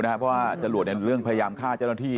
เพราะว่าจรวดในเรื่องพยายามฆ่าเจ้าหน้าที่